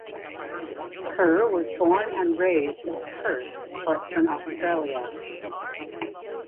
Kerr was born and raised in Perth, Western Australia.